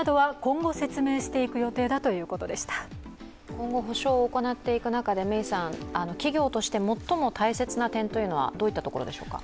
今後、補償を行っていく中で企業として最も大切な点というのはどういったところでしょうか。